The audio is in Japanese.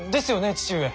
父上。